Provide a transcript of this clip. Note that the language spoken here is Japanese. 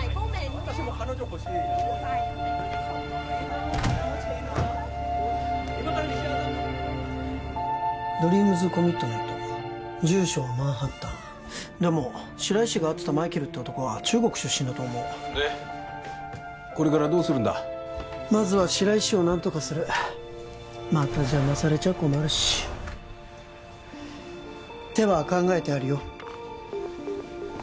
私も彼女ほしいうるさいドリームズ・コミットメント住所はマンハッタンでも白石が会ってたマイケルって男は中国出身だと思うでこれからどうするんだまずは白石を何とかするまた邪魔されちゃ困るし手は考えてあるよ